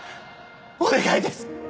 お願いです